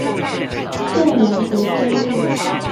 舊南迴公路